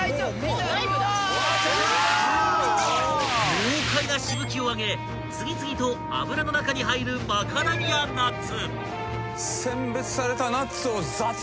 ［豪快なしぶきを上げ次々と油の中に入るマカダミアナッツ］